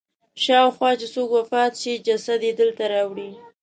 شاوخوا چې څوک وفات شي جسد یې دلته راوړي.